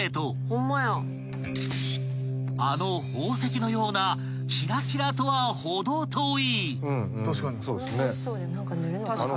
［あの宝石のようなキラキラとは程遠い］